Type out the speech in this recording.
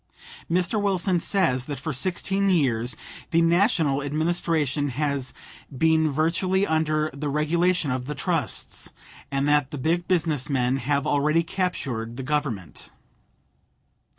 Mr. Wilson says that for sixteen years the National Administration has "been virtually under the regulation of the trusts," and that the big business men "have already captured the Government."